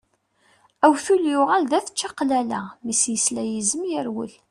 Awtul yuɣal d at čaqlala, mi s-yesla yizem yerwel.